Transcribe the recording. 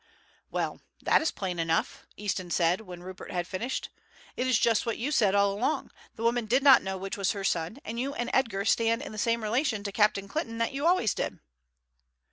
"Well, that is plain enough," Easton said when Rupert had finished. "It is just what you said all along. The woman did not know which was her son, and you and Edgar stand in the same relation to Captain Clinton that you always did."